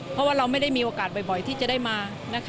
เพราะว่าเราไม่ได้มีโอกาสบ่อยที่จะได้มา